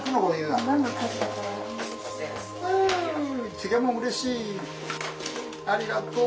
漬物うれしいありがとう。